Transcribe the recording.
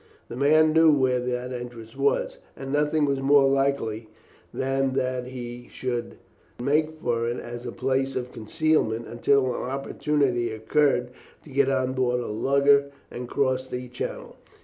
The man knew where that entrance was, and nothing was more likely than that he should make for it as a place of concealment until an opportunity occurred to get on board a lugger and cross the channel.